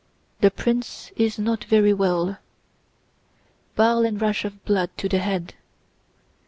"The prince is not very well: bile and rush of blood to the head.